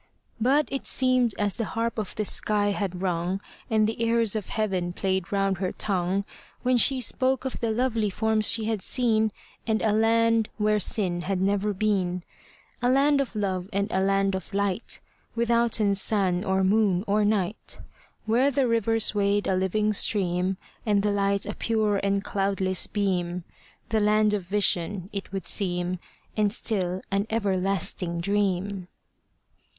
But it seemed as the harp of the sky had rung, And the airs of heaven played round her tongue, When she spoke of the lovely forms she had seen, And a land where sin had never been; A land of love and a land of light, Withouten sun, or moon, or night; Where the river swayed a living stream, And the light a pure and cloudless beam: The land of vision it would seem, And still an everlasting dream."